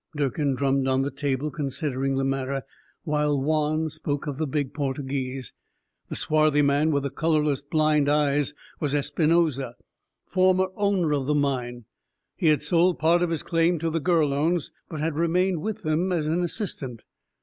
Durkin drummed on the table, considering the matter, while Juan spoke of the big Portuguese. The swarthy man with the colorless blind eyes was Espinosa, former owner of the mine. He had sold part of his claim to the Gurlones, but had remained with them as an assistant.